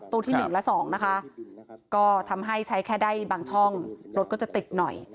ที่๑และ๒นะคะก็ทำให้ใช้แค่ได้บางช่องรถก็จะติดหน่อย